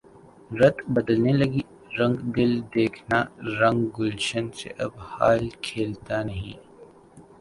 رت بدلنے لگی رنگ دل دیکھنا رنگ گلشن سے اب حال کھلتا نہیں